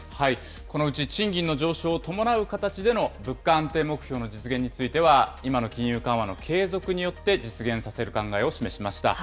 このうち賃金の上昇を伴う形での物価安定目標の実現については、今の金融緩和の継続によって実現させる考えを示しました。